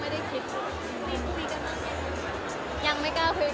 เหมือนคู่ชิมก็ยอมแพ้ในความหวานของคู่เรา